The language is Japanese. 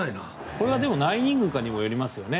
これは何イニングかにもよりますよね。